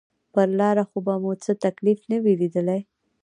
پر لاره خو به مو څه تکليف نه وي ليدلى.